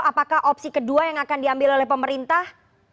apakah opsi kedua yang akan diambil oleh pemerintah